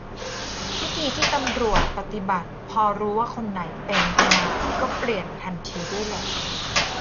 วิธีที่ตำรวจปฏิบัติพอรู้ว่าคนไหนเป็นทนายก็เปลี่ยนทันทีด้วยแหละ